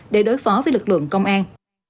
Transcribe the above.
để đối phó với lực lượng công an